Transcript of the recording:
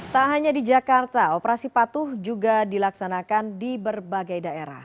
tak hanya di jakarta operasi patuh juga dilaksanakan di berbagai daerah